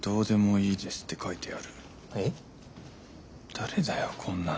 誰だよこんなの。